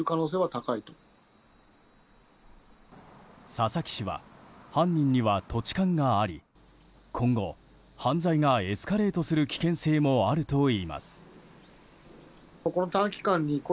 佐々木氏は犯人には土地勘があり今後、犯罪がエスカレートする危険性もあるといいます。